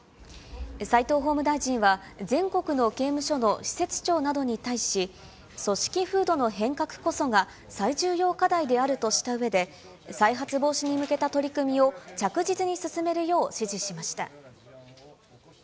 斎藤法務大臣は、全国の刑務所の施設長などに対し、組織風土の変革こそが最重要課題であるとしたうえで、再発防止に向けた取り組みを着実に進めるよう指示しました。